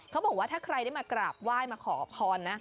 เขาบอกว่าถ้าใครได้มากราบไหว้มาขอพรนะ